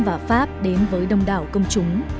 và pháp đến với đông đảo công chúng